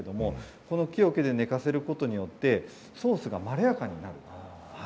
ここで寝かせることによってソースがまろやかになります。